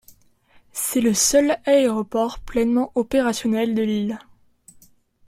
C'est le seul aéroport pleinement opérationnel de l'île.